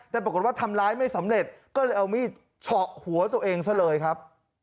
แต่ปรากฏว่าทำร้ายไม่สำเร็จก็เลยเอามีดเฉาะหัวตัวเองซะเลยครับ